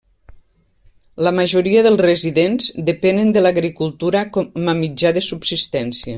La majoria dels residents depenen de l'agricultura com a mitjà de subsistència.